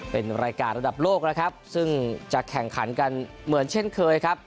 เป็นรายการระดับโลกนะครับซึ่งจะแข่งขันกันเหมือนเช่นเคยครับ